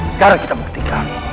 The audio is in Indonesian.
sekarang kita buktikan